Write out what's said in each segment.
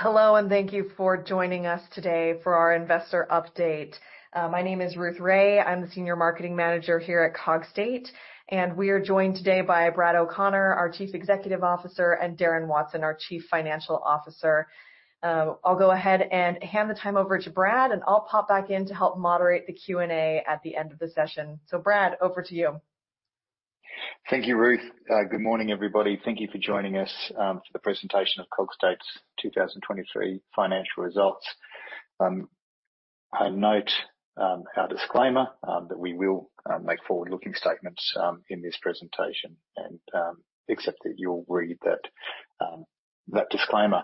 Hello, thank you for joining us today for our investor update. My name is Ruth Ray. I'm the Senior Marketing Manager here at Cogstate, and we are joined today by Brad O'Connor, our Chief Executive Officer, and Darren Watson, our Chief Financial Officer. I'll go ahead and hand the time over to Brad, and I'll pop back in to help moderate the Q&A at the end of the session. Brad, over to you. Thank you, Ruth. Good morning, everybody. Thank you for joining us, for the presentation of Cogstate's 2023 financial results. I note our disclaimer that we will make forward-looking statements in this presentation, and except that you'll read that disclaimer.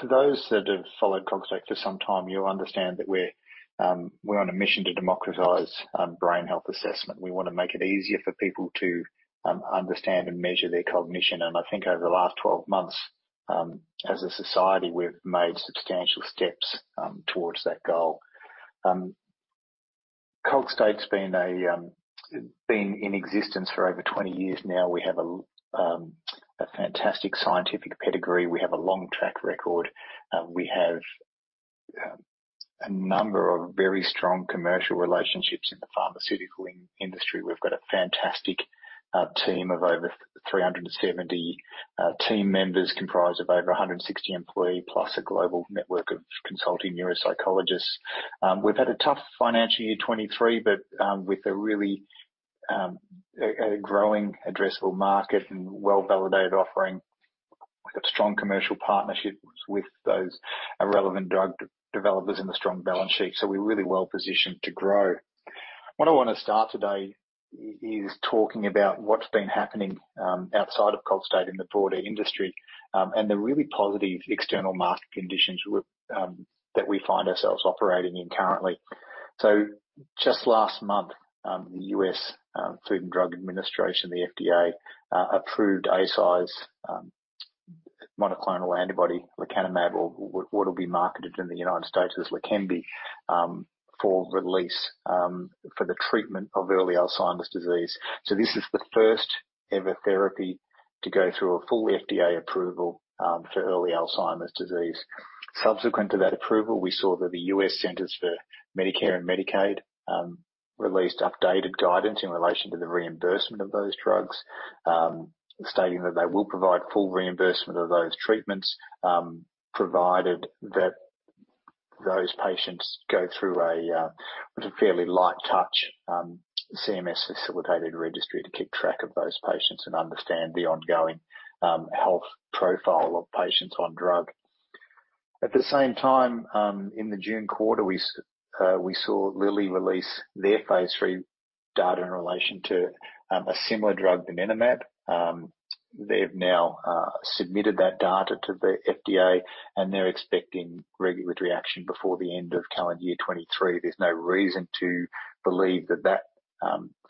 For those that have followed Cogstate for some time, you'll understand that we're on a mission to democratize brain health assessment. We want to make it easier for people to understand and measure their cognition. I think over the last 12 months, as a society, we've made substantial steps towards that goal. Cogstate's been in existence for over 20 years now. We have a fantastic scientific pedigree. We have a long track record. We have a number of very strong commercial relationships in the pharmaceutical industry. We've got a fantastic team of over 370 team members, comprised of over 160 employees, plus a global network of consulting neuropsychologists. We've had a tough financial year 2023, but with a really growing addressable market and well-validated offering. We've got strong commercial partnerships with those relevant drug developers and a strong balance sheet, so we're really well positioned to grow. What I want to start today is talking about what's been happening outside of Cogstate in the broader industry, and the really positive external market conditions that we find ourselves operating in currently. Just last month, the U.S. Food and Drug Administration, the FDA, approved Eisai's monoclonal antibody, lecanemab, or what will be marketed in the United States as Leqembi, for release, for the treatment of early Alzheimer's disease. This is the first-ever therapy to go through a full FDA approval for early Alzheimer's disease. Subsequent to that approval, we saw that the U.S. Centers for Medicare and Medicaid released updated guidance in relation to the reimbursement of those drugs, stating that they will provide full reimbursement of those treatments, provided that those patients go through a what's a fairly light touch CMS-facilitated registry to keep track of those patients and understand the ongoing health profile of patients on drug. At the same time, in the June quarter, we saw Lilly release their phase III data in relation to a similar drug, donanemab. They've now submitted that data to the FDA, and they're expecting regulatory action before the end of calendar year 2023. There's no reason to believe that that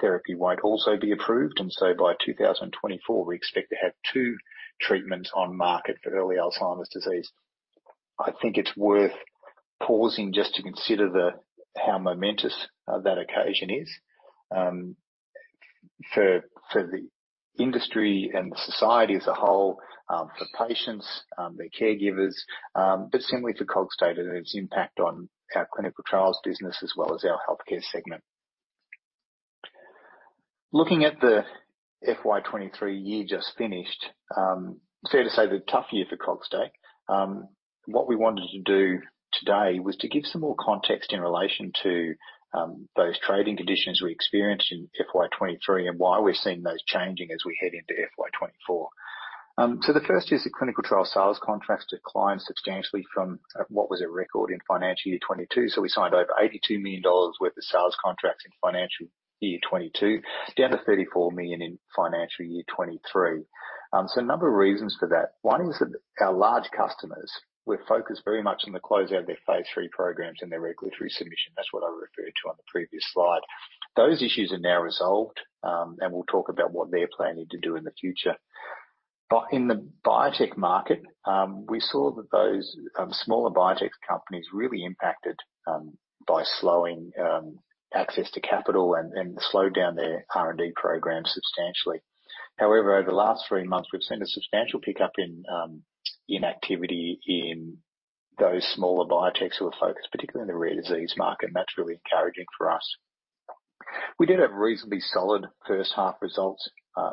therapy won't also be approved, and so by 2024, we expect to have two treatments on market for early Alzheimer's disease. I think it's worth pausing just to consider the, how momentous that occasion is, for, for the industry and the society as a whole, for patients, their caregivers, but similarly for Cogstate and its impact on our clinical trials business as well as our healthcare segment. Looking at the FY 2023 year just finished, fair to say, a tough year for Cogstate. What we wanted to do today was to give some more context in relation to those trading conditions we experienced in FY 2023 and why we're seeing those changing as we head into FY 2024. The first is the clinical trial sales contracts declined substantially from what was a record in financial year 2022. We signed over $82 million worth of sales contracts in financial year 2022, down to $34 million in financial year 2023. A number of reasons for that. One is that our large customers were focused very much on the closeout of their Phase III programs and their regulatory submission. That's what I referred to on the previous slide. Those issues are now resolved, we'll talk about what they're planning to do in the future. In the biotech market, we saw that those smaller biotech companies really impacted by slowing access to capital and slowed down their R&D program substantially. However, over the last three months, we've seen a substantial pickup in activity in those smaller biotechs who are focused, particularly in the rare disease market, and that's really encouraging for us. We did have reasonably solid first half results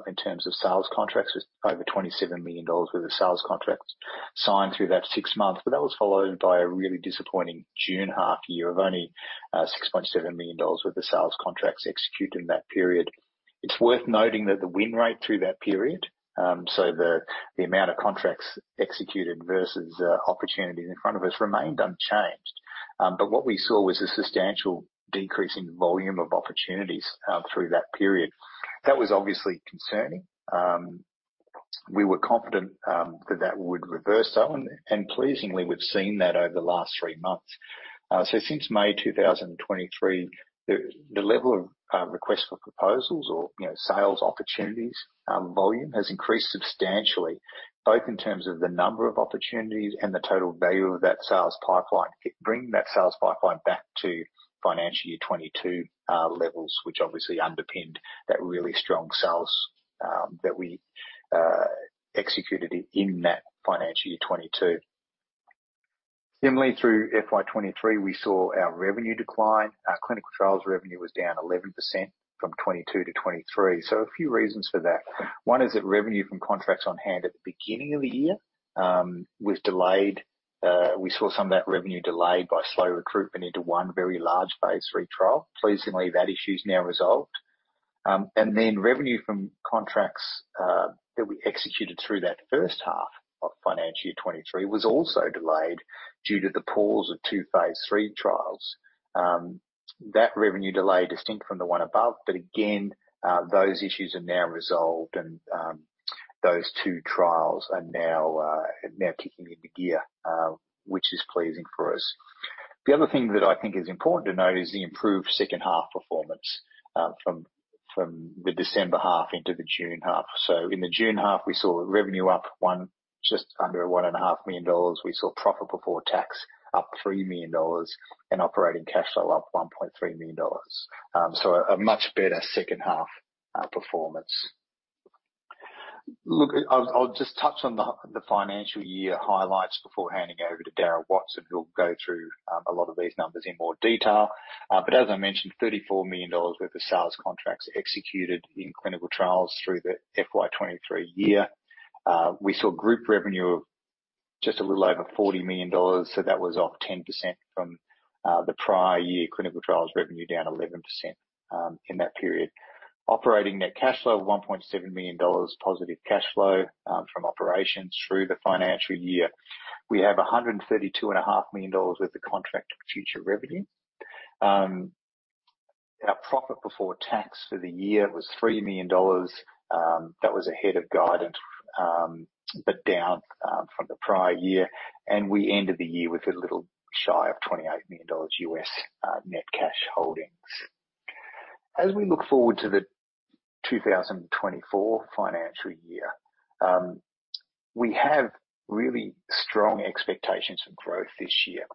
in terms of sales contracts, with over $27 million worth of sales contracts signed through that six months, but that was followed by a really disappointing June half year of only $6.7 million worth of sales contracts executed in that period. It's worth noting that the win rate through that period, so the amount of contracts executed versus opportunities in front of us remained unchanged. What we saw was a substantial decrease in volume of opportunities through that period. That was obviously concerning. We were confident that that would reverse, though, and pleasingly, we've seen that over the last three months. Since May 2023, the level of request for proposals or, you know, sales opportunities volume, has increased substantially, both in terms of the number of opportunities and the total value of that sales pipeline. It bring that sales pipeline back to financial year 2022 levels, which obviously underpinned that really strong sales that we executed in that financial year 2022. Similarly, through FY 2023, we saw our revenue decline. Our clinical trials revenue was down 11% from 2022-2023. A few reasons for that. One is that revenue from contracts on hand at the beginning of the year was delayed. We saw some of that revenue delayed by slow recruitment into one very large phase III trial. Pleasingly, that issue is now resolved. Then revenue from contracts that we executed through that first half of financial year 2023 was also delayed due to the pause of two phase III trials. That revenue delay, distinct from the one above, but again, those issues are now resolved and those two trials are now kicking into gear, which is pleasing for us. The other thing that I think is important to note is the improved second half performance from, from the December half into the June half. In the June half, we saw revenue up just under $1.5 million. We saw profit before tax up $3 million, and operating cash flow up $1.3 million. A much better second half performance. Look, I'll just touch on the financial year highlights before handing over to Darren Watson, who'll go through a lot of these numbers in more detail. As I mentioned, $34 million worth of sales contracts executed in clinical trials through the FY 2023 year. We saw group revenue of just a little over $40 million, so that was off 10% from the prior year. Clinical trials revenue down 11% in that period. Operating net cash flow, $1.7 million positive cash flow from operations through the financial year. We have $132.5 million worth of contract future revenue. Our profit before tax for the year was $3 million. That was ahead of guidance, but down from the prior year, and we ended the year with a little shy of $28 million net cash holdings. As we look forward to the 2024 financial year, we have really strong expectations for growth this year.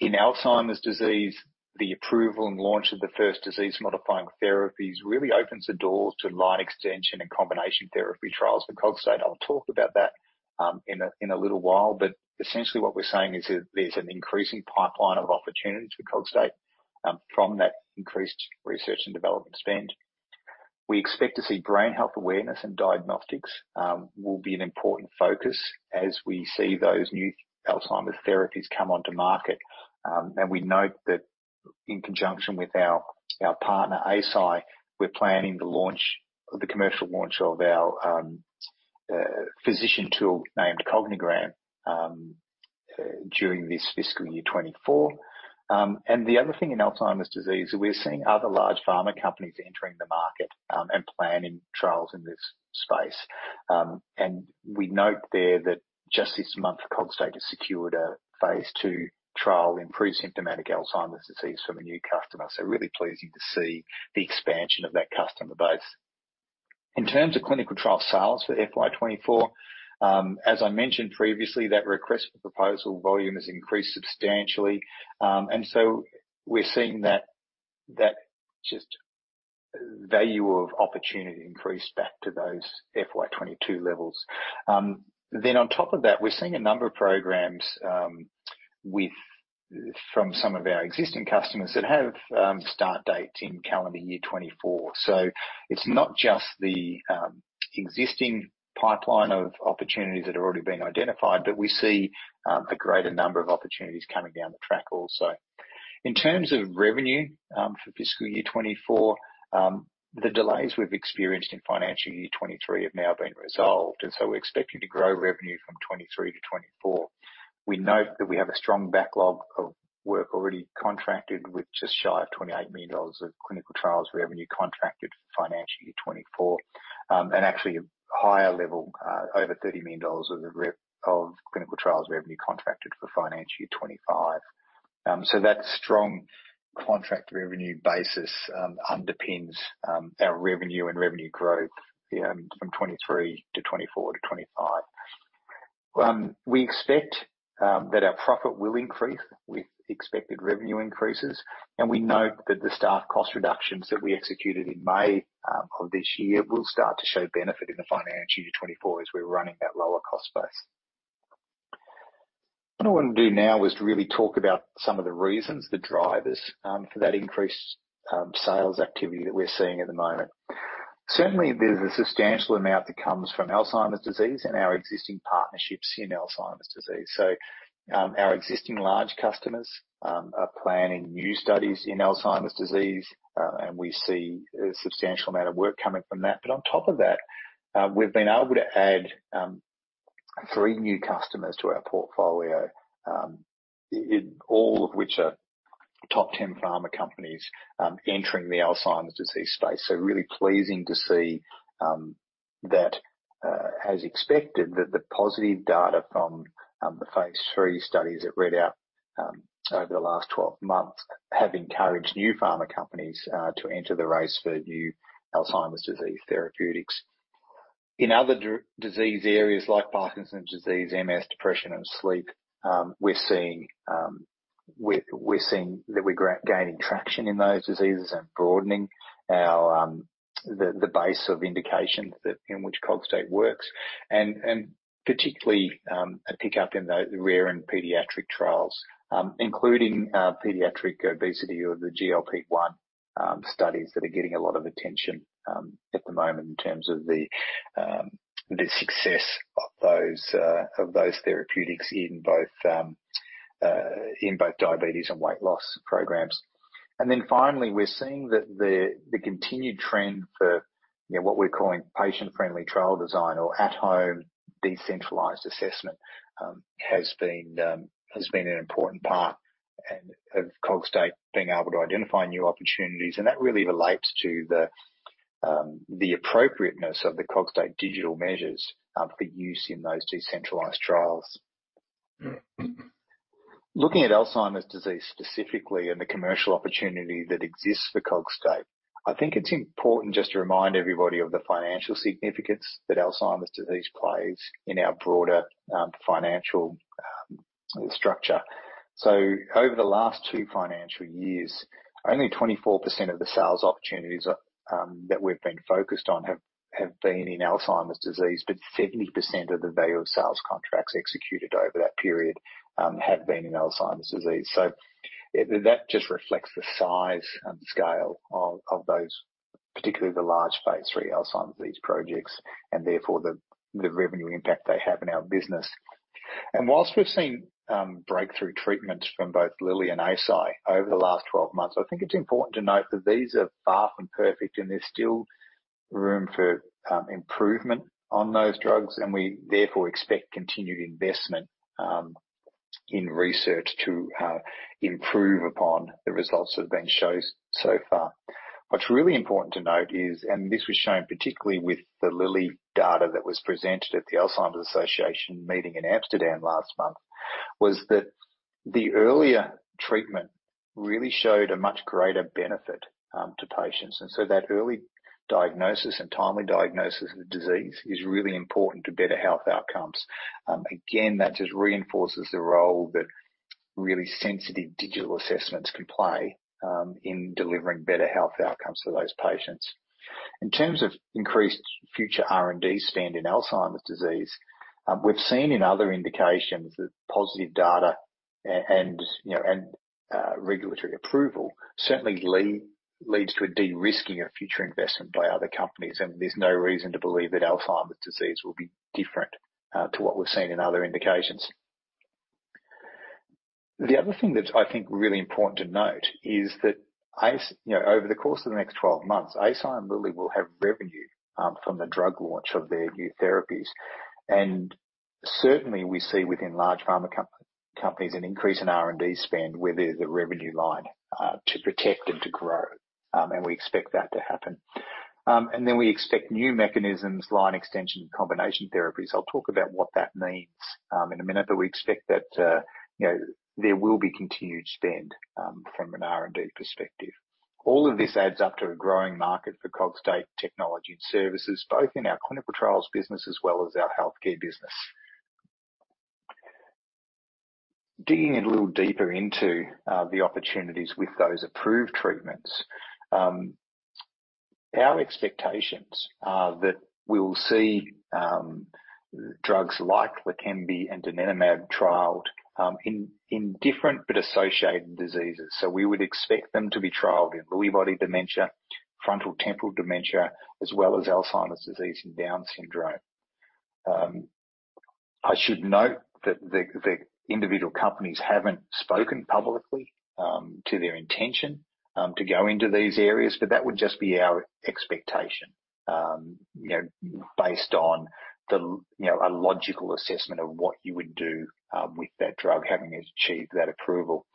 In Alzheimer's disease, the approval and launch of the first disease-modifying therapies really opens the doors to line extension and combination therapy trials for Cogstate. I'll talk about that, in a, in a little while, but essentially what we're saying is that there's an increasing pipeline of opportunities for Cogstate, from that increased research and development spend. We expect to see brain health awareness and diagnostics will be an important focus as we see those new Alzheimer's therapies come onto market. We note that in conjunction with our, our partner, Eisai, we're planning the launch or the commercial launch of our physician tool named Cognigram during this fiscal year 2024. The other thing in Alzheimer's disease, we're seeing other large pharma companies entering the market and planning trials in this space. We note there that just this month, Cogstate has secured a Phase II trial in presymptomatic Alzheimer's disease from a new customer. Really pleasing to see the expansion of that customer base. In terms of clinical trial sales for FY 2024, as I mentioned previously, that request for proposal volume has increased substantially. We're seeing that, that just value of opportunity increase back to those FY 2022 levels. On top of that, we're seeing a number of programs From some of our existing customers that have start dates in calendar year 2024. It's not just the existing pipeline of opportunities that have already been identified, but we see a greater number of opportunities coming down the track also. In terms of revenue, for fiscal year 2024, the delays we've experienced in financial year 2023 have now been resolved, and so we're expecting to grow revenue from 2023-2024. We note that we have a strong backlog of work already contracted, with just shy of $28 million of clinical trials revenue contracted for FY 2024, and actually a higher level, over $30 million of clinical trials revenue contracted for FY 2025. That strong contract revenue basis underpins our revenue and revenue growth from 2023-2024-2025. We expect that our profit will increase with expected revenue increases, and we note that the staff cost reductions that we executed in May of this year, will start to show benefit in FY 2024 as we're running that lower cost base. What I want to do now is to really talk about some of the reasons, the drivers, for that increased sales activity that we're seeing at the moment. Certainly, there's a substantial amount that comes from Alzheimer's disease and our existing partnerships in Alzheimer's disease. Our existing large customers are planning new studies in Alzheimer's disease, and we see a substantial amount of work coming from that. On top of that, we've been able to add three new customers to our portfolio, all of which are top 10 pharma companies entering the Alzheimer's disease space. Really pleasing to see that, as expected, the positive data from the Phase III studies that read out over the last 12 months, have encouraged new pharma companies to enter the race for new Alzheimer's disease therapeutics. In other disease areas like Parkinson's disease, MS, depression, and sleep, we're seeing... We, we're seeing that we're gaining traction in those diseases and broadening our, the, the base of indications that in which Cogstate works, and particularly, a pickup in the rare and pediatric trials, including, pediatric obesity or the GLP-1 studies that are getting a lot of attention at the moment in terms of the success of those of those therapeutics in both in both diabetes and weight loss programs. Finally, we're seeing that the, the continued trend for, you know, what we're calling patient-friendly trial design or at-home decentralized assessment, has been, has been an important part and of Cogstate being able to identify new opportunities. That really relates to the appropriateness of the Cogstate digital measures for use in those decentralized trials. Looking at Alzheimer's disease specifically and the commercial opportunity that exists for Cogstate, I think it's important just to remind everybody of the financial significance that Alzheimer's disease plays in our broader financial structure. Over the last two financial years, only 24% of the sales opportunities that we've been focused on have, have been in Alzheimer's disease, but 70% of the value of sales contracts executed over that period have been in Alzheimer's disease. That just reflects the size and scale of, of those, particularly the large Phase III Alzheimer's disease projects and therefore the, the revenue impact they have in our business. Whilst we've seen breakthrough treatments from both Lilly and Eisai over the last 12 months, I think it's important to note that these are far from perfect, and there's still room for improvement on those drugs, and we therefore expect continued investment in research to improve upon the results that have been shown so far. What's really important to note is, and this was shown particularly with the Lilly data that was presented at the Alzheimer's Association meeting in Amsterdam last month, was that the earlier treatment really showed a much greater benefit to patients. So that early diagnosis and timely diagnosis of the disease is really important to better health outcomes. Again, that just reinforces the role that really sensitive digital assessments can play in delivering better health outcomes to those patients. In terms of increased future R&D spend in Alzheimer's disease, we've seen in other indications that positive data and, you know, and regulatory approval certainly lead, leads to a de-risking of future investment by other companies, and there's no reason to believe that Alzheimer's disease will be different to what we've seen in other indications. The other thing that I think really important to note is that you know, over the course of the next 12 months, Eisai and Lilly will have revenue from the drug launch of their new therapies. Certainly, we see within large pharma companies an increase in R&D spend, where there's a revenue line to protect and to grow, and we expect that to happen. We expect new mechanisms, line extension, combination therapies. I'll talk about what that means, in a minute, but we expect that, you know, there will be continued spend, from an R&D perspective. All of this adds up to a growing market for Cogstate technology and services, both in our clinical trials business as well as our healthcare business. Digging a little deeper into the opportunities with those approved treatments. Our expectations are that we'll see, drugs like Leqembi and Donanemab trialed, in, in different but associated diseases. We would expect them to be trialed in Lewy body dementia, frontotemporal dementia, as well as Alzheimer's disease and Down syndrome. I should note that the, the individual companies haven't spoken publicly to their intention to go into these areas, but that would just be our expectation, you know, based on the, you know, a logical assessment of what you would do with that drug having achieved that approval.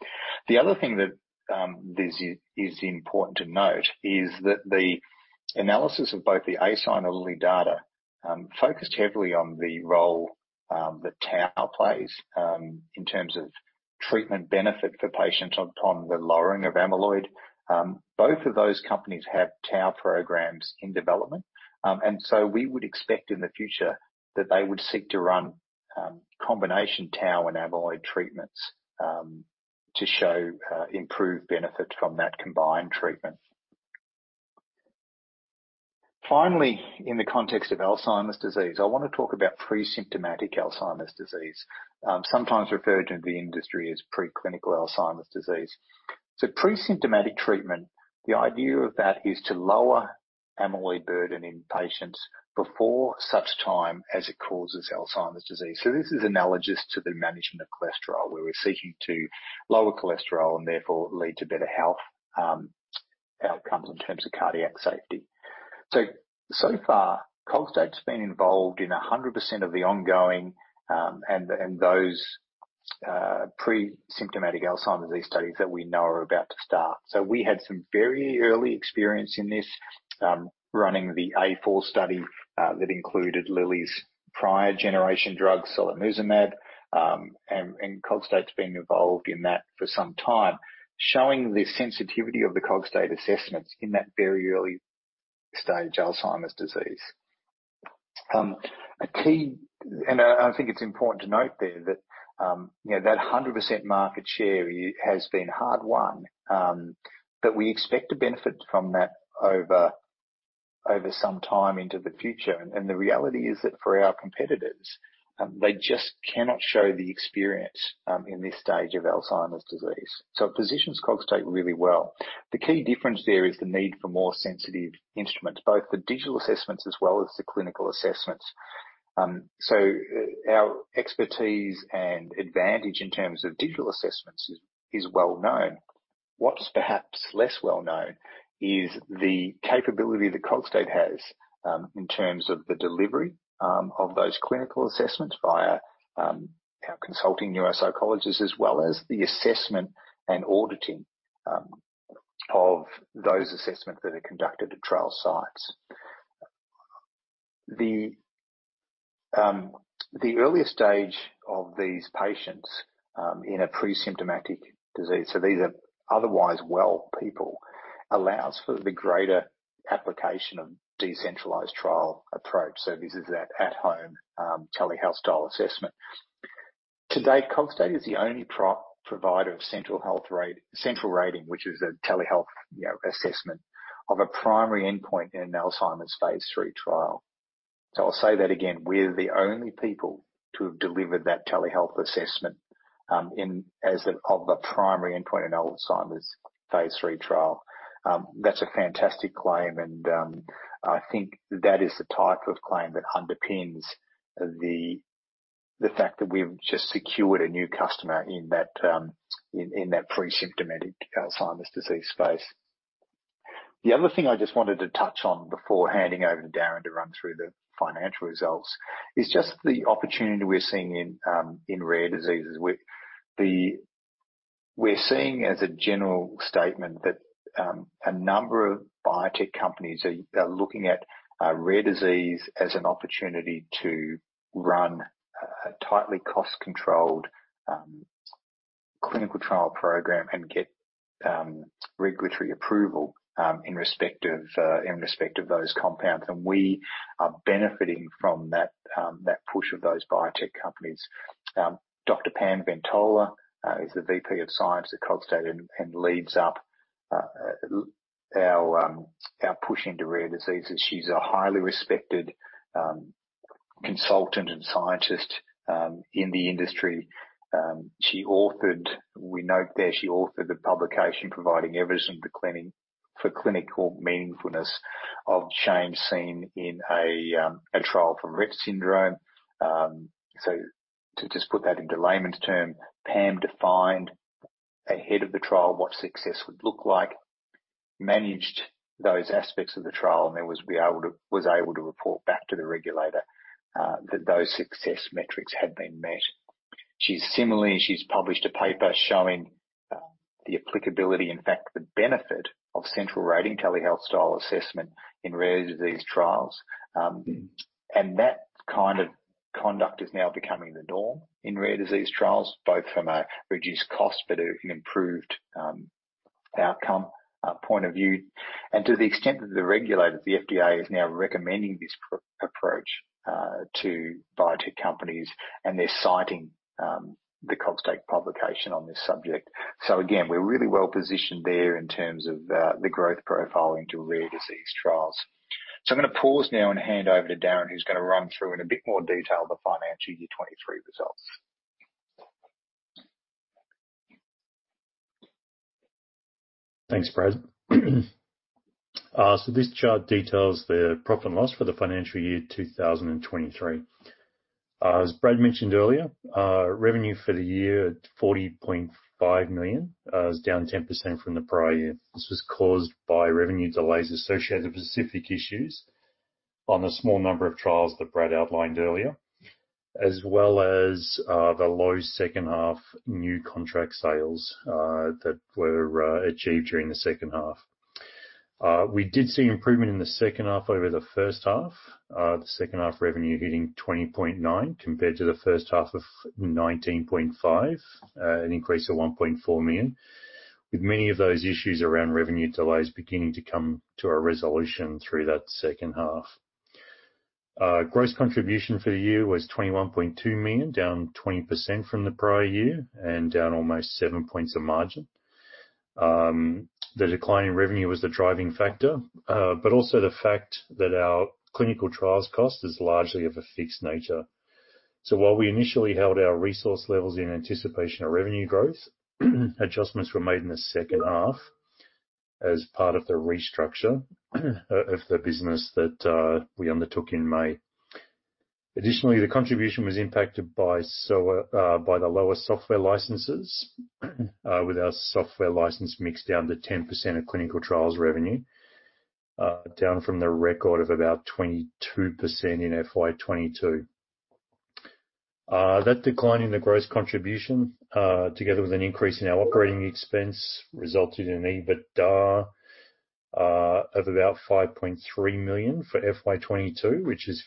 The other thing that is important to note is that the analysis of both the Eisai and Lilly data focused heavily on the role that tau plays in terms of treatment benefit for patients upon the lowering of amyloid. Both of those companies have tau programs in development, we would expect in the future that they would seek to run combination tau and amyloid treatments to show improved benefit from that combined treatment. In the context of Alzheimer's disease, I want to talk about presymptomatic Alzheimer's disease, sometimes referred to in the industry as preclinical Alzheimer's disease. Presymptomatic treatment, the idea of that is to lower amyloid burden in patients before such time as it causes Alzheimer's disease. This is analogous to the management of cholesterol, where we're seeking to lower cholesterol and therefore lead to better health outcomes in terms of cardiac safety. So far, Cogstate's been involved in 100% of the ongoing, and, and those presymptomatic Alzheimer's disease studies that we know are about to start. We had some very early experience in this, running the A4 study, that included Lilly's prior generation drug, solanezumab, and Cogstate's been involved in that for some time, showing the sensitivity of the Cogstate assessments in that very early stage Alzheimer's disease. A key, and I, I think it's important to note there that, you know, that 100% market share has been hard won, but we expect to benefit from that over, over some time into the future. The reality is that for our competitors, they just cannot show the experience in this stage of Alzheimer's disease. It positions Cogstate really well. The key difference there is the need for more sensitive instruments, both the digital assessments as well as the clinical assessments. Our expertise and advantage in terms of digital assessments is well known. What's perhaps less well known is the capability that Cogstate has in terms of the delivery of those clinical assessments via our consulting neuropsychologists, as well as the assessment and auditing of those assessments that are conducted at trial sites. The earlier stage of these patients in a pre-symptomatic disease, these are otherwise well people, allows for the greater application of decentralized trial approach. This is that at home, telehealth style assessment. To date, Cogstate is the only provider of central rating, which is a telehealth, you know, assessment of a primary endpoint in an Alzheimer's phase III trial. I'll say that again, we're the only people to have delivered that telehealth assessment in as of a primary endpoint in Alzheimer's phase III trial. That's a fantastic claim, and I think that is the type of claim that underpins the fact that we've just secured a new customer in that, in that presymptomatic Alzheimer's disease space. The other thing I just wanted to touch on before handing over to Darren to run through the financial results, is just the opportunity we're seeing in rare diseases. We're seeing as a general statement that a number of biotech companies are, are looking at rare disease as an opportunity to run a, a tightly cost-controlled clinical trial program and get regulatory approval in respect of, in respect of those compounds, and we are benefiting from that that push of those biotech companies. Dr. Pamela Ventola is the VP of Science at Cogstate and, and leads up our push into rare diseases. She's a highly respected consultant and scientist in the industry. We note there, she authored a publication providing evidence for clinical meaningfulness of change seen in a trial for Rett syndrome. To just put that into layman's terms, Pam defined ahead of the trial what success would look like, managed those aspects of the trial, and then was able to report back to the regulator that those success metrics had been met. She's similarly, she's published a paper showing the applicability, in fact, the benefit of central rating telehealth style assessment in rare disease trials. That kind of conduct is now becoming the norm in rare disease trials, both from a reduced cost but an improved outcome point of view. To the extent that the regulator, the FDA, is now recommending this approach to biotech companies, and they're citing the Cogstate publication on this subject. Again, we're really well positioned there in terms of the growth profile into rare disease trials. I'm gonna pause now and hand over to Darren, who's gonna run through in a bit more detail the financial year 2023 results. Thanks, Brad. This chart details the profit and loss for the financial year 2023. As Brad mentioned earlier, revenue for the year, $40.5 million, was down 10% from the prior year. This was caused by revenue delays associated with specific issues on the small number of trials that Brad outlined earlier, as well as the low second half new contract sales that were achieved during the second half. We did see improvement in the second half over the first half. The second half revenue hitting $20.9 million, compared to the first half of $19.5 million, an increase of $1.4 million, with many of those issues around revenue delays beginning to come to a resolution through that second half. Gross contribution for the year was $21.2 million, down 20% from the prior year, and down almost seven points of margin. The decline in revenue was the driving factor, but also the fact that our clinical trials cost is largely of a fixed nature. While we initially held our resource levels in anticipation of revenue growth, adjustments were made in the second half as part of the restructure of the business that we undertook in May. Additionally, the contribution was impacted by the lower software licenses, with our software license mixed down to 10% of clinical trials revenue, down from the record of about 22% in FY 2022. That decline in the gross contribution, together with an increase in our operating expense, resulted in EBITDA of about $5.3 million for FY 2022, which is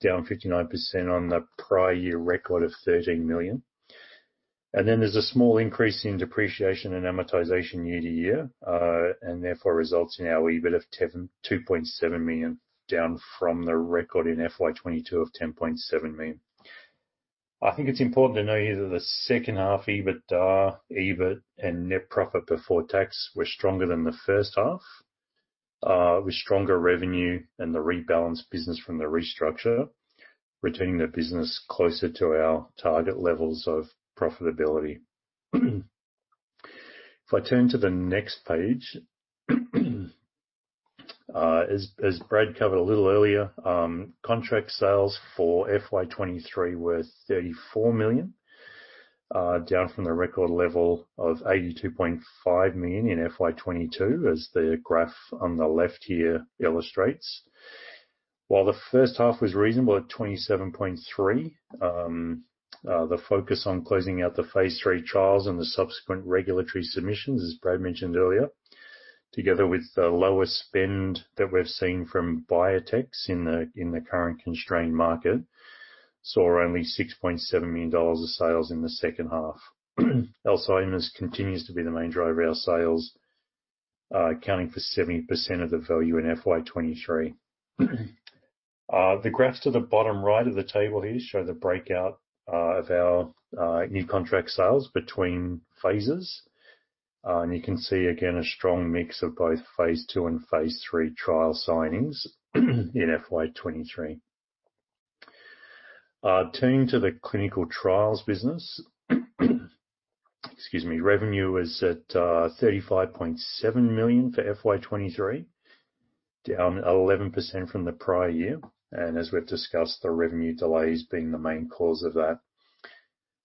down 59% on the prior year record of $13 million. Then there's a small increase in depreciation and amortization year-to-year, and therefore results in our EBIT of $2.7 million, down from the record in FY 2022 of $10.7 million. I think it's important to note here that the second half EBITDA, EBIT, and net profit before tax were stronger than the first half, with stronger revenue and the rebalanced business from the restructure, returning the business closer to our target levels of profitability. If I turn to the next page, as Brad covered a little earlier, contract sales for FY 2023 were $34 million, down from the record level of $82.5 million in FY 2022, as the graph on the left here illustrates. While the first half was reasonable at $27.3 million, the focus on closing out the Phase III trials and the subsequent regulatory submissions, as Brad mentioned earlier, together with the lower spend that we've seen from biotechs in the current constrained market, saw only $6.7 million of sales in the second half. Alzheimer's continues to be the main driver of our sales, accounting for 70% of the value in FY 2023. The graphs to the bottom right of the table here show the breakout of our new contract sales between phases. You can see again a strong mix of both phase II and phase III trial signings, in FY 2023. Turning to the clinical trials business. Excuse me. Revenue was at $35.7 million for FY 2023, down 11% from the prior year, as we've discussed, the revenue delays being the main cause of that.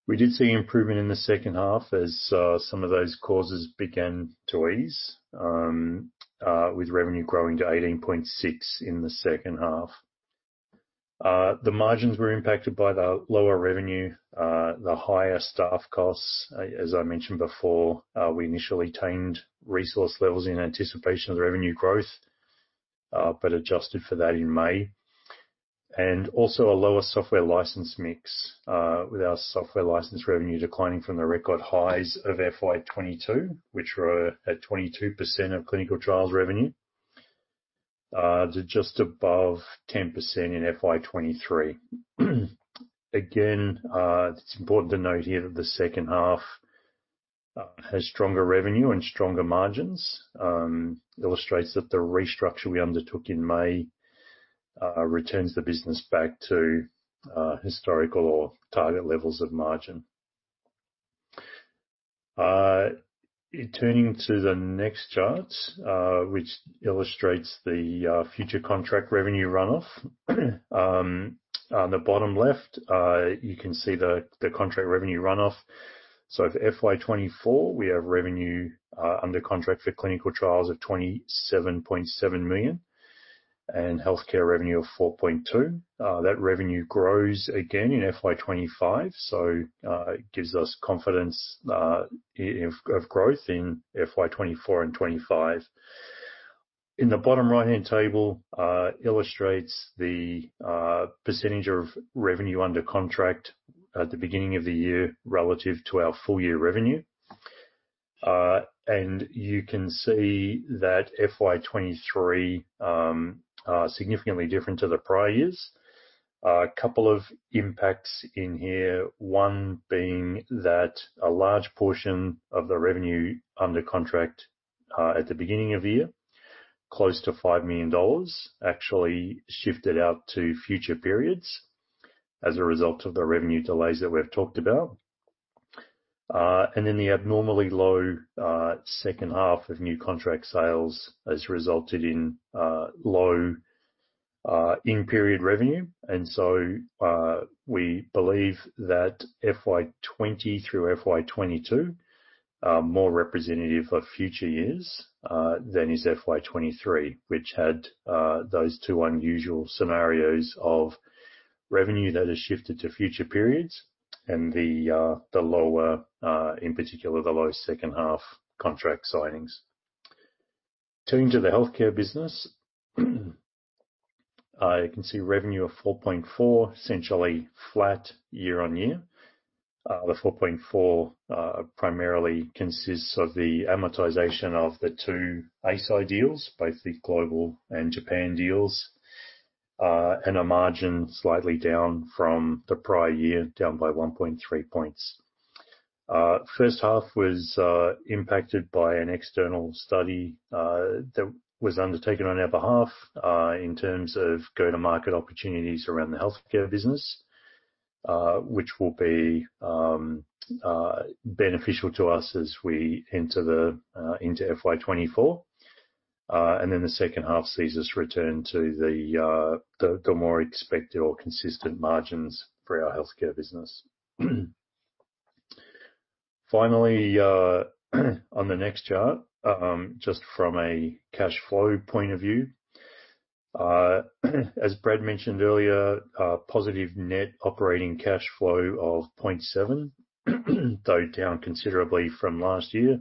We did see improvement in the second half as some of those causes began to ease, with revenue growing to $18.6 million in the second half. The margins were impacted by the lower revenue, the higher staff costs. As I mentioned before, we initially tamed resource levels in anticipation of the revenue growth, adjusted for that in May. Also a lower software license mix, with our software license revenue declining from the record highs of FY 2022, which were at 22% of clinical trials revenue, to just above 10% in FY 2023. Again, it's important to note here that the second half has stronger revenue and stronger margins. Illustrates that the restructure we undertook in May returns the business back to historical or target levels of margin. Turning to the next chart, which illustrates the future contract revenue runoff. On the bottom left, you can see the contract revenue runoff. For FY 2024, we have revenue under contract for clinical trials of $27.7 million, and healthcare revenue of $4.2 million. That revenue grows again in FY 2025, so it gives us confidence of growth in FY 2024 and FY 2025. In the bottom right-hand table illustrates the percentage of revenue under contract at the beginning of the year relative to our full year revenue. You can see that FY 2023 are significantly different to the prior years. A couple of impacts in here, one being that a large portion of the revenue under contract at the beginning of the year, close to $5 million, actually shifted out to future periods as a result of the revenue delays that we've talked about. The abnormally low second half of new contract sales has resulted in low in-period revenue. We believe that FY 2020 through FY 2022 are more representative of future years than is FY 2023, which had those two unusual scenarios of revenue that has shifted to future periods and the lower, in particular, the lower second half contract signings. Turning to the healthcare business, you can see revenue of $4.4 million, essentially flat year-over-year. The $4.4 million primarily consists of the amortization of the two Eisai deals, both the global and Japan deals. Our margin slightly down from the prior year, down by 1.3 points. First half was impacted by an external study that was undertaken on our behalf in terms of go-to-market opportunities around the healthcare business, which will be beneficial to us as we enter into FY 2024. The second half sees us return to the more expected or consistent margins for our healthcare business. Finally, on the next chart, just from a cash flow point of view. As Brad mentioned earlier, positive net operating cash flow of $0.7, though down considerably from last year.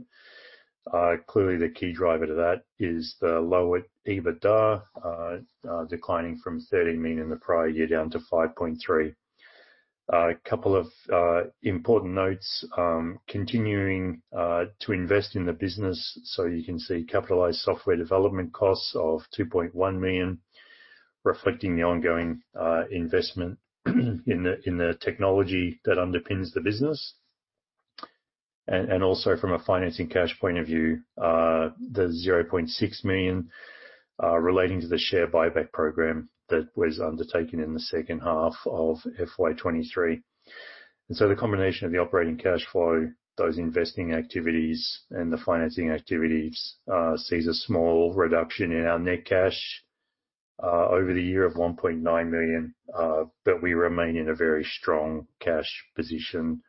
Clearly, the key driver to that is the lower EBITDA, declining from $13 million in the prior year down to $5.3. A couple of important notes. Continuing to invest in the business, so you can see capitalized software development costs of 2.1 million, reflecting the ongoing investment in the technology that underpins the business. Also from a financing cash point of view, the 0.6 million relating to the share buyback program that was undertaken in the second half of FY 2023. The combination of the operating cash flow, those investing activities and the financing activities sees a small reduction in our net cash over the year of 1.9 million. We remain in a very strong cash position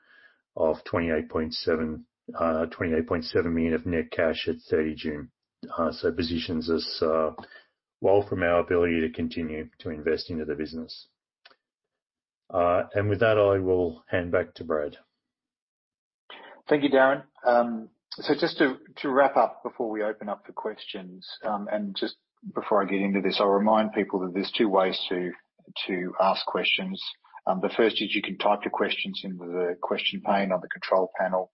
of 28.7, 28.7 million of net cash at 30 June. It positions us well from our ability to continue to invest into the business. With that, I will hand back to Brad. Thank you, Darren. Just to, to wrap up before we open up for questions, just before I get into this, I'll remind people that there's two ways to, to ask questions. The first is you can type your questions into the question pane on the control panel.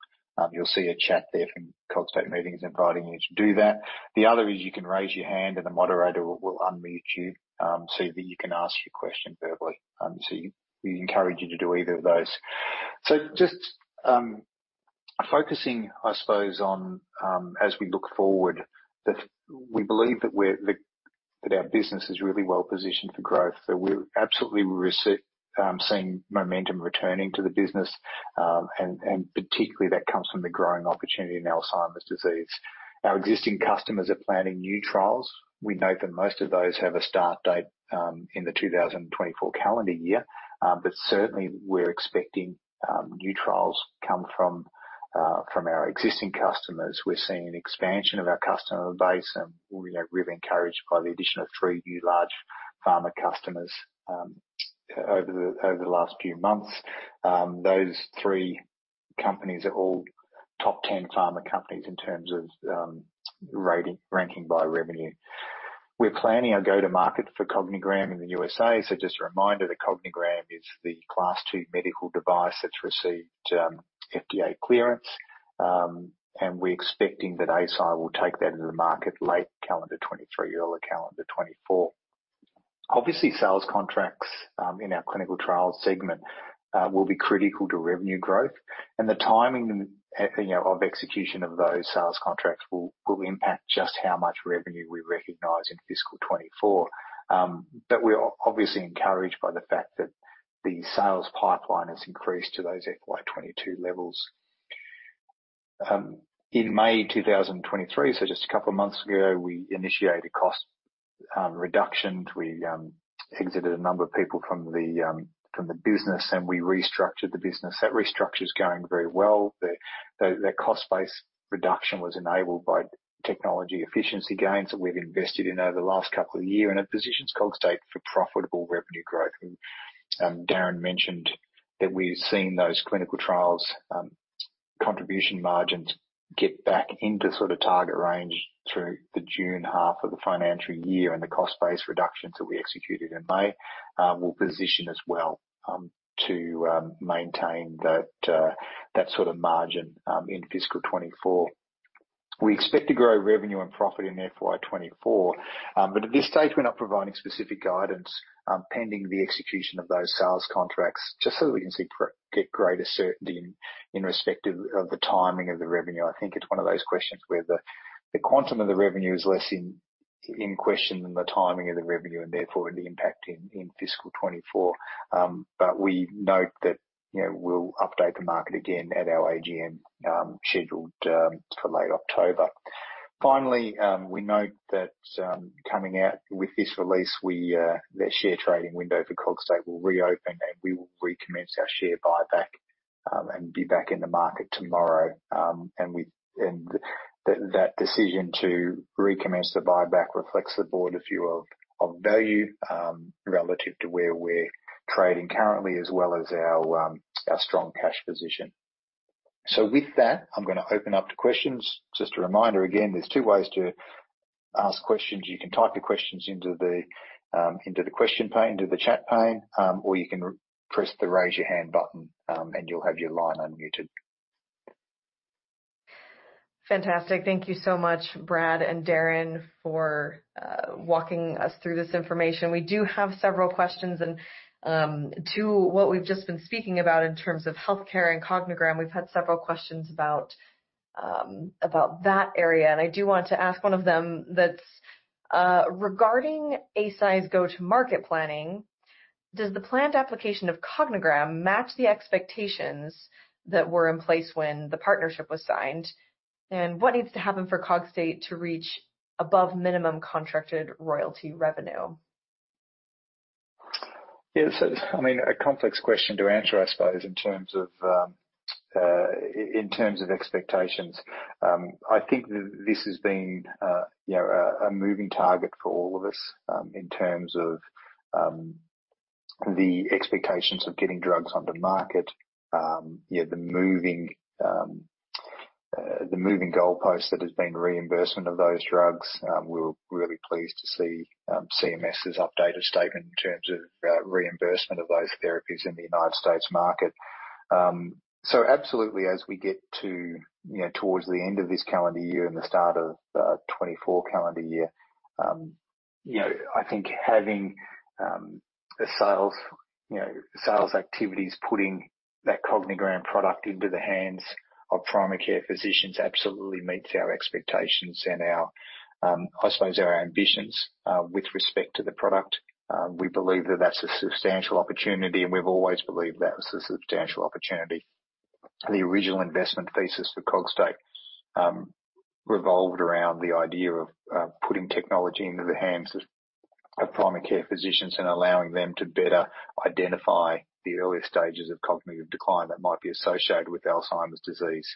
You'll see a chat there from Cogstate Meetings inviting you to do that. The other is you can raise your hand, and the moderator will, will unmute you, so that you can ask your question verbally. We encourage you to do either of those. Just focusing, I suppose, on, as we look forward, that we believe that we're the-- that our business is really well positioned for growth. We're absolutely rece-... Seeing momentum returning to the business, and, and particularly that comes from the growing opportunity in Alzheimer's disease. Our existing customers are planning new trials. We note that most of those have a start date in the 2024 calendar year. Certainly we're expecting new trials come from from our existing customers. We're seeing an expansion of our customer base, and, you know, we're encouraged by the addition of three new large pharma customers over the, over the last few months. Those three companies are all top 10 pharma companies in terms of rating, ranking by revenue. We're planning our go-to-market for Cognigram in the USA. Just a reminder that Cognigram is the Class II medical device that's received FDA clearance. We're expecting that Eisai will take that into the market late calendar 2023, early calendar 2024. Obviously, sales contracts in our clinical trials segment will be critical to revenue growth, and the timing and, you know, of execution of those sales contracts will, will impact just how much revenue we recognize in fiscal 2024. We're obviously encouraged by the fact that the sales pipeline has increased to those FY 2022 levels. In May 2023, so just a couple of months ago, we initiated cost reductions. We exited a number of people from the business, and we restructured the business. That restructure is going very well. The cost base reduction was enabled by technology efficiency gains that we've invested in over the last couple of years, and it positions Cogstate for profitable revenue growth. Darren mentioned that we've seen those clinical trials contribution margins get back into sort of target range through the June half of the financial year, and the cost base reductions that we executed in May will position us well to maintain that sort of margin in FY 2024. We expect to grow revenue and profit in FY 2024. At this stage, we're not providing specific guidance pending the execution of those sales contracts, just so that we can see get greater certainty in respective of the timing of the revenue. I think it's one of those questions where the quantum of the revenue is less in question than the timing of the revenue and therefore the impact in FY 2024. We note that, you know, we'll update the market again at our AGM, scheduled for late October. Finally, we note that, coming out with this release, we, the share trading window for Cogstate will reopen, and we will recommence our share buyback, and be back in the market tomorrow. We and that decision to recommence the buyback reflects the board view of, of value, relative to where we're trading currently, as well as our strong cash position. With that, I'm gonna open up to questions. Just a reminder again, there's two ways to ask questions. You can type your questions into the, into the question pane, into the chat pane, or you can press the Raise Your Hand button, and you'll have your line unmuted. Fantastic. Thank you so much, Brad and Darren, for walking us through this information. We do have several questions, and to what we've just been speaking about in terms of healthcare and Cognigram, we've had several questions about about that area, and I do want to ask one of them. That's regarding Eisai's go-to-market planning, does the planned application of Cognigram match the expectations that were in place when the partnership was signed? What needs to happen for Cogstate to reach above minimum contracted royalty revenue? Yes, I mean, a complex question to answer, I suppose, in terms of in terms of expectations. I think this has been, you know, a, a moving target for all of us, in terms of the expectations of getting drugs on the market, you know, the moving, the moving goalpost that has been reimbursement of those drugs, we're really pleased to see CMS's updated statement in terms of reimbursement of those therapies in the United States market. Absolutely, as we get to, you know, towards the end of this calendar year and the start of 2024 calendar year, you know, I think having the sales, you know, sales activities, putting that Cognigram product into the hands of primary care physicians absolutely meets our expectations and our, I suppose, our ambitions with respect to the product. We believe that that's a substantial opportunity, and we've always believed that was a substantial opportunity. The original investment thesis for Cogstate revolved around the idea of putting technology into the hands of primary care physicians and allowing them to better identify the earliest stages of cognitive decline that might be associated with Alzheimer's disease.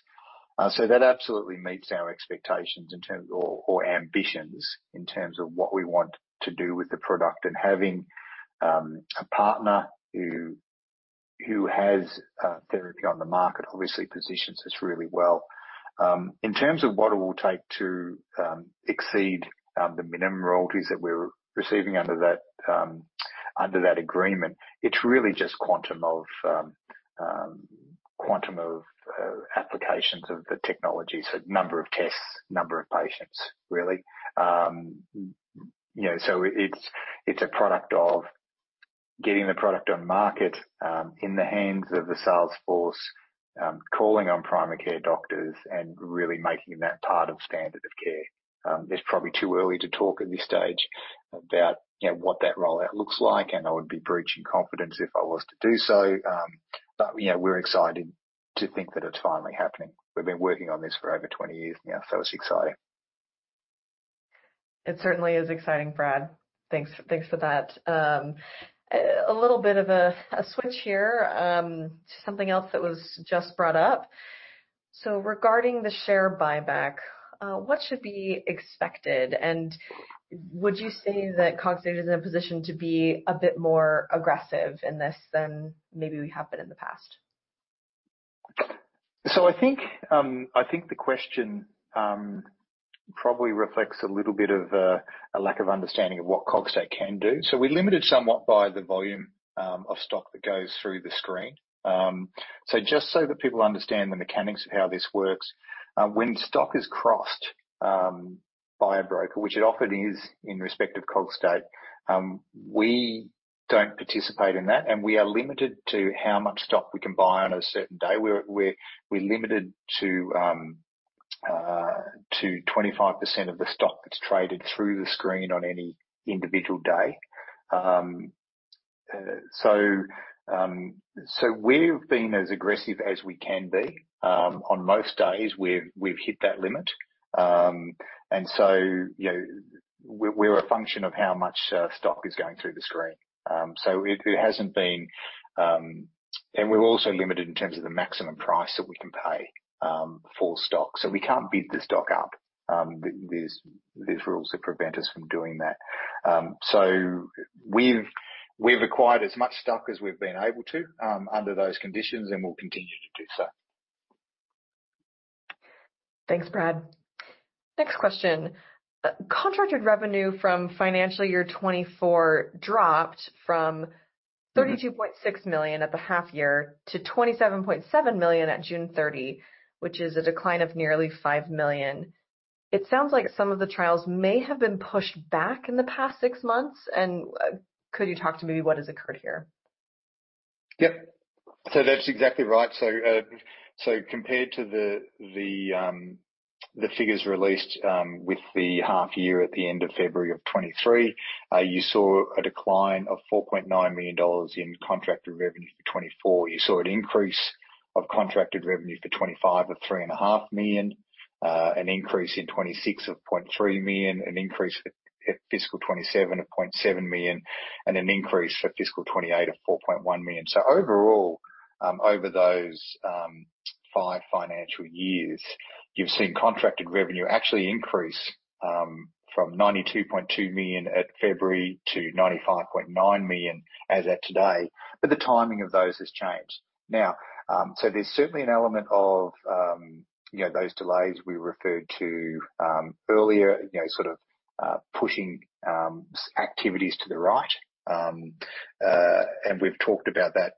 That absolutely meets our expectations in terms of or, or ambitions, in terms of what we want to do with the product. Having a partner who, who has therapy on the market, obviously positions us really well. In terms of what it will take to exceed the minimum royalties that we're receiving under that, under that agreement, it's really just quantum of quantum of applications of the technology, so number of tests, number of patients, really. You know, so it's, it's a product of getting the product on market, in the hands of the sales force, calling on primary care doctors and really making that part of standard of care. It's probably too early to talk at this stage about, you know, what that rollout looks like, and I would be breaching confidence if I was to do so. You know, we're excited to think that it's finally happening. We've been working on this for over 20 years now, so it's exciting. It certainly is exciting, Brad. Thanks, thanks for that. A little bit of a switch here, to something else that was just brought up. Regarding the share buyback, what should be expected, and would you say that Cogstate is in a position to be a bit more aggressive in this than maybe we have been in the past? I think, I think the question probably reflects a little bit of a lack of understanding of what Cogstate can do. We're limited somewhat by the volume of stock that goes through the screen. Just so that people understand the mechanics of how this works, when stock is crossed by a broker, which it often is in respect of Cogstate, we don't participate in that, and we are limited to how much stock we can buy on a certain day. We're, we're, we're limited to 25% of the stock that's traded through the screen on any individual day. We've been as aggressive as we can be. On most days, we've, we've hit that limit. You know, we're a function of how much stock is going through the screen. It, it hasn't been. We're also limited in terms of the maximum price that we can pay for stock, so we can't bid the stock up. There's, there's rules that prevent us from doing that. We've, we've acquired as much stock as we've been able to under those conditions, and we'll continue to do so. Thanks, Brad. Next question: contracted revenue from FY 2024 dropped from $32.6 million at the half year to $27.7 million at June 30, which is a decline of nearly $5 million. Could you talk to maybe what has occurred here? Yep. That's exactly right. Compared to the figures released with the half year at the end of February 2023, you saw a decline of $4.9 million in contracted revenue for 2024. You saw an increase of contracted revenue for 2025 of $3.5 million, an increase in 2026 of $0.3 million, an increase at fiscal 2027 of $0.7 million, and an increase for fiscal 2028 of $4.1 million. Overall, over those five financial years, you've seen contracted revenue actually increase from $92.2 million at February to $95.9 million as at today, but the timing of those has changed. There's certainly an element of, you know, those delays we referred to, earlier, you know, sort of, pushing activities to the right. We've talked about that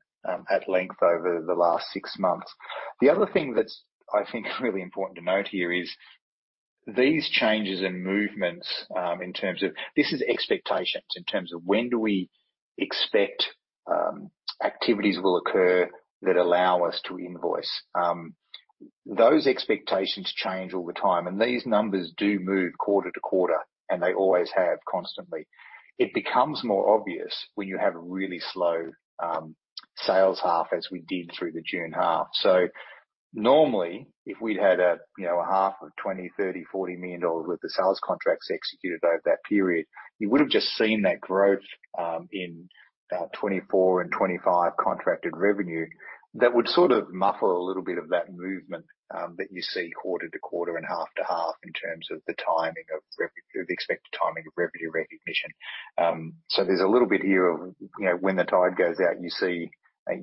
at length over the last 6 months. The other thing that's, I think, really important to note here is these changes in movements in terms of. This is expectations in terms of when do we expect activities will occur that allow us to invoice. Those expectations change all the time, and these numbers do move quarter to quarter, and they always have constantly. It becomes more obvious when you have a really slow sales half, as we did through the June half. Normally, if we'd had a, you know, a half of $20 million, $30 million, $40 million worth of sales contracts executed over that period, you would've just seen that growth in 2024 and 2025 contracted revenue. That would sort of muffle a little bit of that movement that you see quarter-to-quarter and half-to-half in terms of the timing of the expected timing of revenue recognition. There's a little bit here of, you know, when the tide goes out,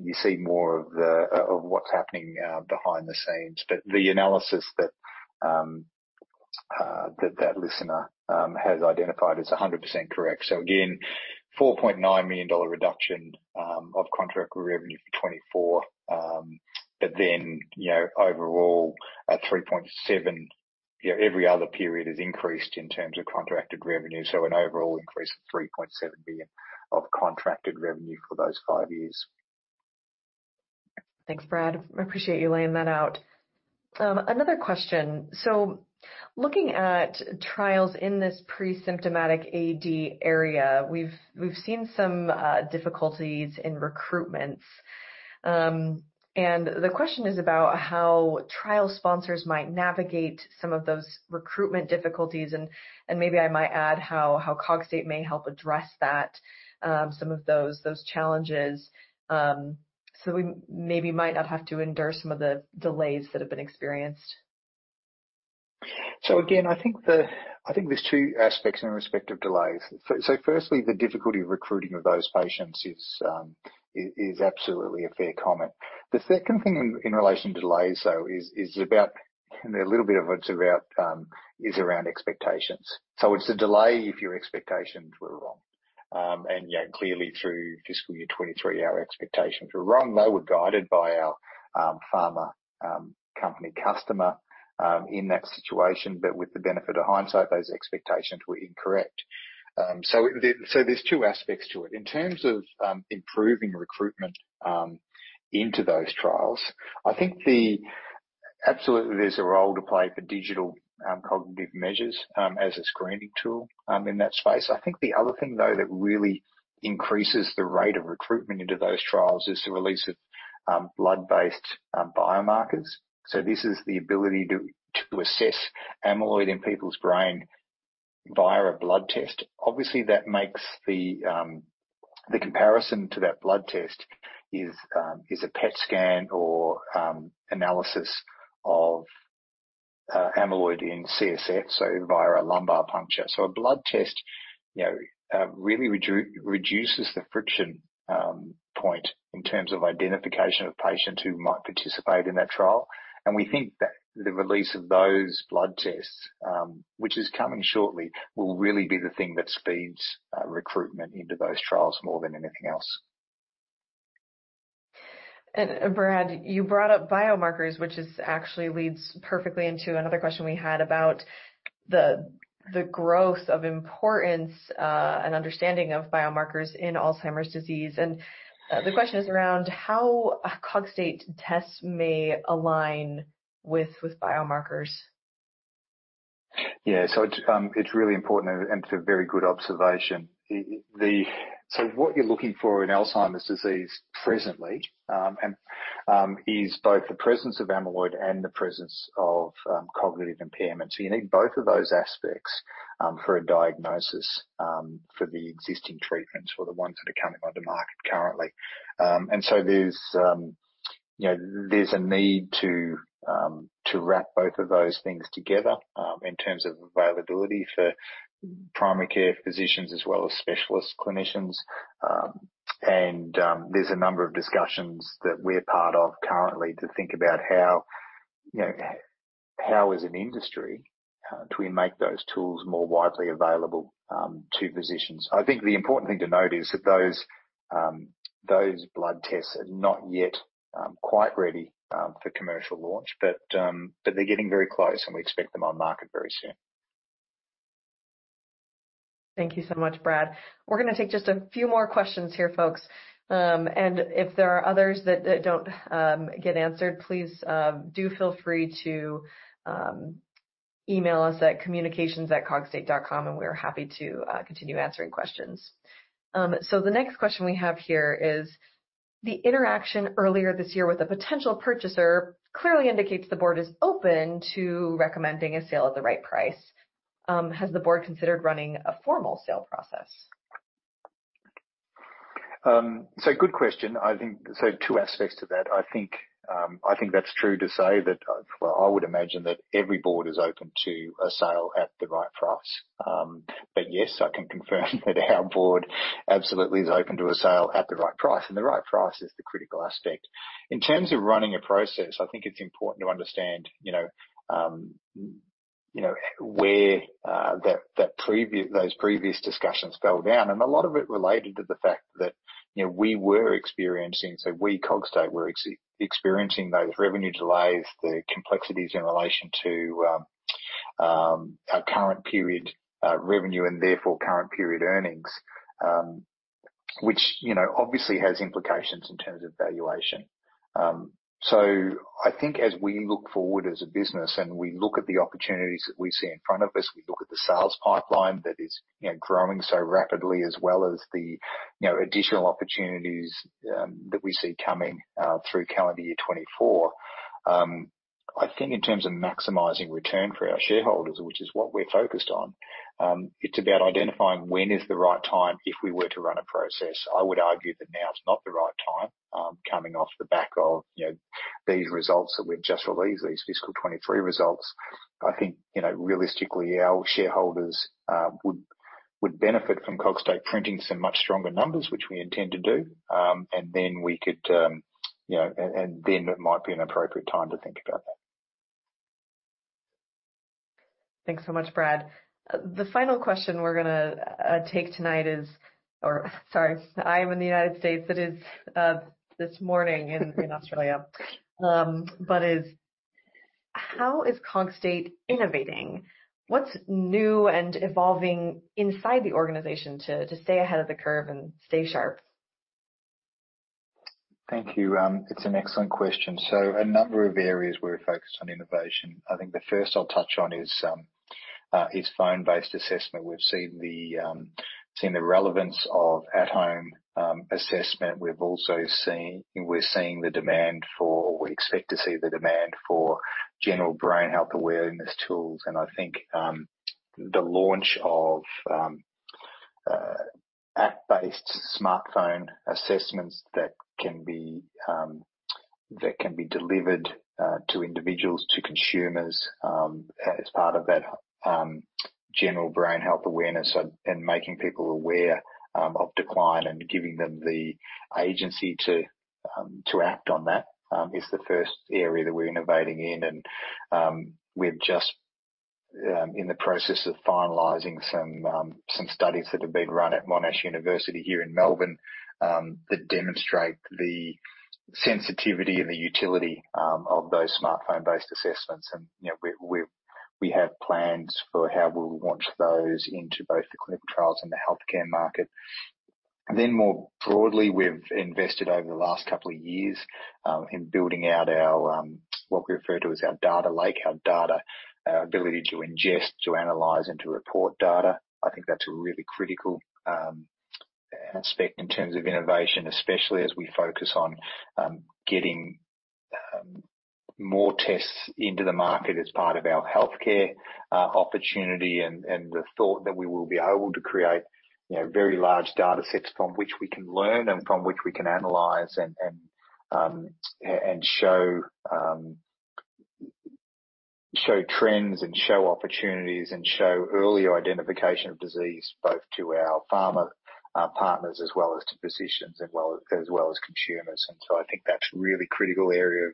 you see more of the, of what's happening behind the scenes. The analysis that, that listener has identified is 100% correct. Again, $4.9 million reduction of contractual revenue for 2024. You know, overall, at $3.7 million, you know, every other period has increased in terms of contracted revenue, so an overall increase of $3.7 million of contracted revenue for those five years. Thanks, Brad. I appreciate you laying that out. Another question: Looking at trials in this presymptomatic AD area, we've seen some difficulties in recruitments. The question is about how trial sponsors might navigate some of those recruitment difficulties and maybe I might add, how Cogstate may help address that, some of those challenges, so we maybe might not have to endure some of the delays that have been experienced. Again, I think there's two aspects in respect of delays. Firstly, the difficulty of recruiting of those patients is, is absolutely a fair comment. The second thing in, in relation to delays, though, is, is about, and a little bit of it's about, is around expectations. It's a delay if your expectations were wrong. And yeah, clearly through fiscal year 2023, our expectations were wrong. They were guided by our pharma company customer in that situation, but with the benefit of hindsight, those expectations were incorrect. There's two aspects to it. In terms of improving recruitment into those trials, I think Absolutely, there's a role to play for digital cognitive measures as a screening tool in that space. I think the other thing, though, that really increases the rate of recruitment into those trials is the release of blood-based biomarkers. This is the ability to, to assess amyloid in people's brain via a blood test. Obviously, that makes the comparison to that blood test is a PET scan or analysis of amyloid in CSF, so via a lumbar puncture. A blood test, you know, really reduces the friction point in terms of identification of patients who might participate in that trial. We think that the release of those blood tests, which is coming shortly, will really be the thing that speeds recruitment into those trials more than anything else. Brad, you brought up biomarkers, which is actually leads perfectly into another question we had about the, the growth of importance, and understanding of biomarkers in Alzheimer's disease. The question is around how Cogstate tests may align with, with biomarkers. Yeah. It's really important and a very good observation. What you're looking for in Alzheimer's disease presently, and is both the presence of amyloid and the presence of cognitive impairment. You need both of those aspects for a diagnosis for the existing treatments, for the ones that are coming on the market currently. There's, you know, there's a need to wrap both of those things together in terms of availability for primary care physicians as well as specialist clinicians. There's a number of discussions that we're part of currently to think about how, you know, how as an industry, do we make those tools more widely available to physicians? I think the important thing to note is that those blood tests are not yet quite ready for commercial launch, but they're getting very close, and we expect them on market very soon. Thank you so much, Brad. We're gonna take just a few more questions here, folks. If there are others that, that don't get answered, please do feel free to email us at communications@cogstate.com, and we're happy to continue answering questions. The next question we have here is: the interaction earlier this year with a potential purchaser clearly indicates the board is open to recommending a sale at the right price. Has the board considered running a formal sale process? Good question. I think, two aspects to that. I think, I think that's true to say that, well, I would imagine that every board is open to a sale at the right price. Yes, I can confirm that our board absolutely is open to a sale at the right price, and the right price is the critical aspect. In terms of running a process, I think it's important to understand, you know, you know, where those previous discussions fell down, and a lot of it related to the fact that, you know, we were experiencing, so we, Cogstate, were experiencing those revenue delays, the complexities in relation to our current period revenue, and therefore current period earnings, which, you know, obviously has implications in terms of valuation. I think as we look forward as a business and we look at the opportunities that we see in front of us, we look at the sales pipeline that is, you know, growing so rapidly, as well as the, you know, additional opportunities that we see coming through calendar year 2024. I think in terms of maximizing return for our shareholders, which is what we're focused on, it's about identifying when is the right time if we were to run a process. I would argue that now is not the right time, coming off the back of, you know, these results that we've just released, these Fiscal 2023 results. I think, you know, realistically, our shareholders would benefit from Cogstate printing some much stronger numbers, which we intend to do. Then we could, you know, and then it might be an appropriate time to think about that. Thanks so much, Brad. The final question we're gonna take tonight is, or sorry, I'm in the United States, it is this morning in Australia. How is Cogstate innovating? What's new and evolving inside the organization to stay ahead of the curve and stay sharp? Thank you. It's an excellent question. A number of areas we're focused on innovation. I think the first I'll touch on is phone-based assessment. We've seen the seen the relevance of at-home assessment. We're seeing the demand for... We expect to see the demand for general brain health awareness tools. I think the launch of app-based smartphone assessments that can be that can be delivered to individuals, to consumers, as part of that general brain health awareness and, and making people aware of decline and giving them the agency to to act on that is the first area that we're innovating in. We're just in the process of finalizing some studies that have been run at Monash University here in Melbourne that demonstrate the sensitivity and the utility of those smartphone-based assessments. You know, we, we, we have plans for how we'll launch those into both the clinical trials and the healthcare market. More broadly, we've invested over the last couple of years in building out our what we refer to as our data lake. Our data, ability to ingest, to analyze, and to report data. I think that's a really critical aspect in terms of innovation, especially as we focus on getting more tests into the market as part of our healthcare opportunity, and the thought that we will be able to create, you know, very large data sets from which we can learn and from which we can analyze and show trends and show opportunities and show earlier identification of disease, both to our pharma partners as well as to physicians, as well, as well as consumers. I think that's a really critical area of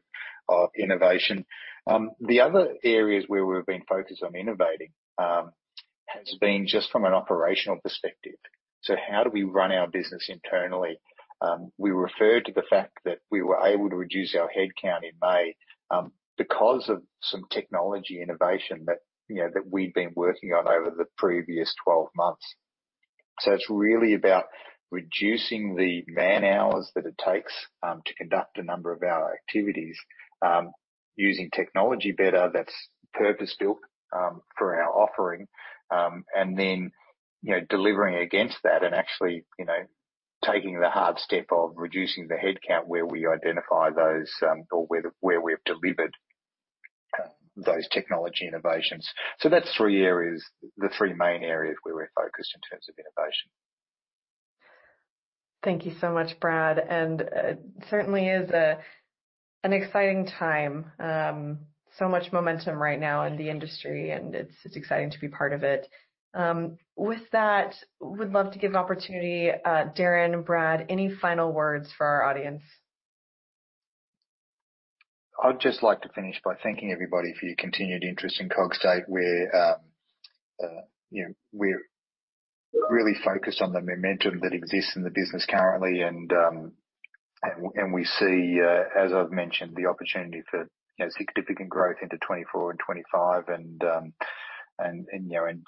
innovation. The other areas where we've been focused on innovating has been just from an operational perspective. So how do we run our business internally? We referred to the fact that we were able to reduce our headcount in May because of some technology innovation that, you know, that we've been working on over the previous 12 months. It's really about reducing the man-hours that it takes to conduct a number of our activities, using technology better that's purpose-built for our offering, and then, you know, delivering against that and actually, you know, taking the hard step of reducing the headcount where we identify those, or where, where we've delivered those technology innovations. That's three areas, the three main areas where we're focused in terms of innovation. Thank you so much, Brad. It certainly is an exciting time. So much momentum right now in the industry, and it's exciting to be part of it. With that, would love to give an opportunity, Darren, Brad, any final words for our audience? I'd just like to finish by thanking everybody for your continued interest in Cogstate. We're, you know, we're really focused on the momentum that exists in the business currently, and, and, we see, as I've mentioned, the opportunity for, you know, significant growth into 2024 and 2025 and, and, you know, and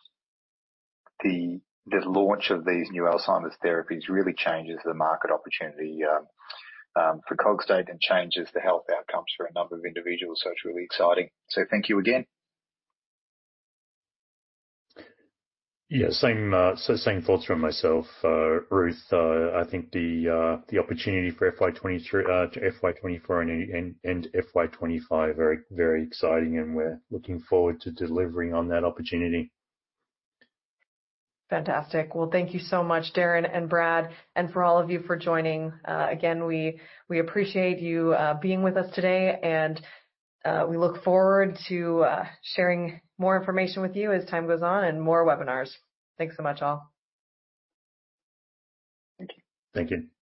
the, the launch of these new Alzheimer's therapies really changes the market opportunity, for Cogstate and changes the health outcomes for a number of individuals. So it's really exciting. So thank you again. Yeah, same, so same thoughts from myself, Ruth. I think the opportunity for FY 2023, FY 2024, and FY 2025 are very exciting, and we're looking forward to delivering on that opportunity. Fantastic. Well, thank you so much, Darren and Brad, and for all of you for joining. Again, we, we appreciate you being with us today, and we look forward to sharing more information with you as time goes on and more webinars. Thanks so much, all. Thank you. Thank you.